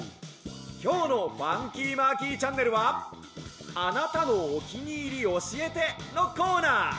きょうの『ファンキーマーキーチャンネル』は『あなたのおきにいりおしえて』のコーナー。